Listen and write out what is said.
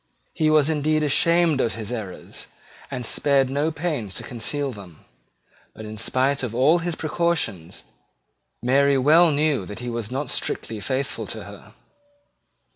He was indeed ashamed of his errors, and spared no pains to conceal them: but, in spite of all his precautions, Mary well knew that he was not strictly faithful to her.